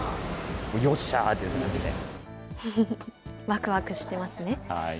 わくわくしてますね。